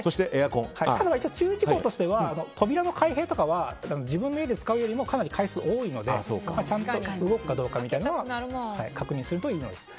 注意事項としては扉の開閉とかは自分の家で使うよりもかなり回数多いのでちゃんと動くかどうかは確認するといいです。